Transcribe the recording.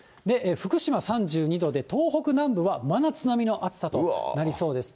福島３２度で、東北南部は真夏並みの暑さとなりそうです。